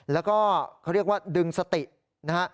แล้วก็เขาเรียกว่าดึงสตินะฮะ